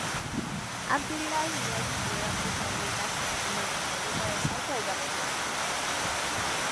Abdullahi ya ji tsoron mutane za su faɗi maganganu marasa kyau game da shi.